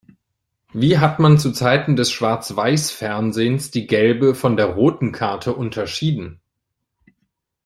Wie hat man zu Zeiten des Schwarzweißfernsehens die gelbe von der roten Karte unterschieden?